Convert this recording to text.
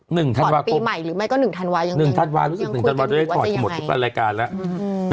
หนึ่งธันวาคมหนึ่งธันวาคมหรืออีกหนึ่งธันวาคมจะได้ถอดที่หมดทุกรายการแล้ว